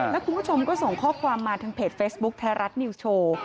แล้วคุณผู้ชมก็ส่งข้อความมาทางเพจเฟซบุ๊คไทยรัฐนิวโชว์